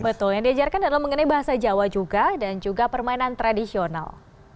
betul yang diajarkan adalah mengenai bahasa jawa juga dan juga permainan tradisional